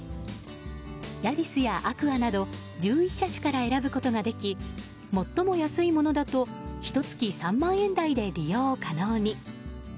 ヤリスやアクアなど１１車種から選ぶことができ最も安いものだとひと月３万円台で利用可能に。